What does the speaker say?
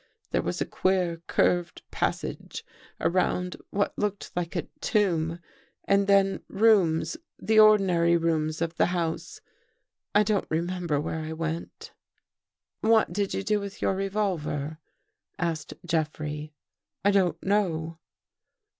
There was a queer curved passage around what looked like a tomb, and then rooms — the ordinary rooms of the house. I don't re member where I went." 254 THE THIRD CONFESSION "What did you do with your revolver?" asked Jeffrey. " I don't know."